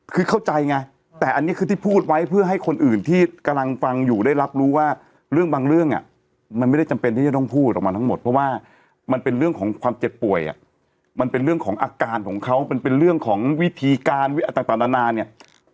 คือเข้าใจไงแต่อันนี้คือที่พูดไว้เพื่อให้คนอื่นที่กำลังฟังอยู่ได้รับรู้ว่าเรื่องบางเรื่องอ่ะมันไม่ได้จำเป็นที่จะต้องพูดออกมาทั้งหมดเพราะว่ามันเป็นเรื่องของความเจ็บป่วยมันเป็นเรื่องของอาการของเขามันเป็นเรื่องของวิธีการต่างนานาเนี่ย